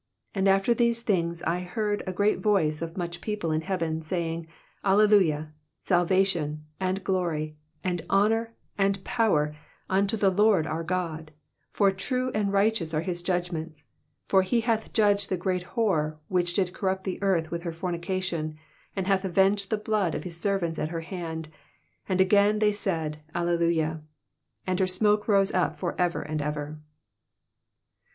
And after these things I heard a great voice of much people in heaven, spying, Alleluia ; Salvation, and glory, and honour, and power, unto the Lord our God : for true and righteous are his judgments : for he hath judged the great whore, which did corrupt the earth with her fornication, and hath avenged the blood of his servants at her hand. And asain they said. Alleluia. And her smuke rose up for ever and ever."